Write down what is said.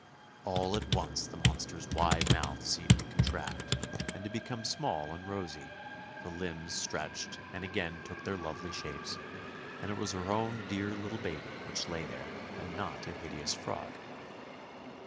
All at once the monster's wide mouth seemed to contract, and to become small and rosy, the limbs stretched and again took their lovely shapes, and it was her own dear little baby which lay there, and not a hideous frog.